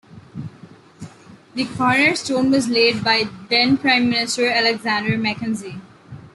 The cornerstone was laid by then Prime Minister, Alexander Mackenzie.